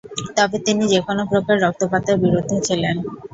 তবে তিনি যেকোন প্রকার রক্তপাতের বিরুদ্ধে ছিলেন।